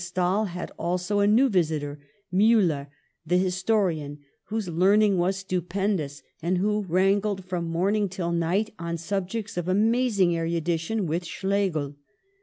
143 Stael had also a new visitor, Miiller, the histo rian, whose learning was stupendous, and who wrangled from morning till night on subjects of amazing erudition with Schlegel.